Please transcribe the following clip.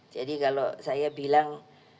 jadi kalau saya bilang